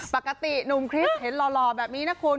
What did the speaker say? ปกติหนุ่มคริสเห็นหล่อแบบนี้นะคุณ